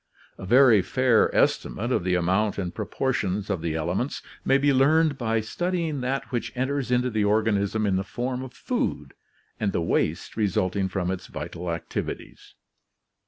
A very fair estimate of the amount and pro portions of the elements may be learned by studying that which enters into the organism in the form of food and the waste resulting from its vital activities.